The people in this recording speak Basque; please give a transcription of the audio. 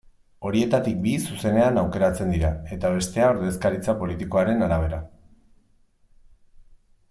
Horietatik bi zuzenean aukeratzen dira eta bestea ordezkaritza politikoaren arabera.